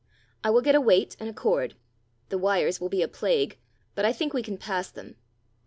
I will get a weight and a cord: the wires will be a plague, but I think we can pass them.